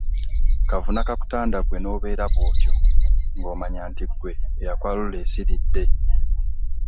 Kaavuna kakutanda ggwe n’obeera bw’otyo ng’omanya nti ggwe eyakwalula esiridde.